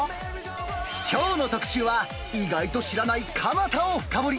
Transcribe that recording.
きょうの特集は、意外と知らない蒲田を深掘り。